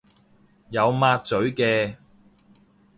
有抹嘴嘅